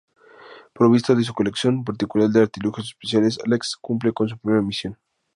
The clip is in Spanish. Provisto de su colección particular de artilugios especiales, Alex cumple con su primera misión.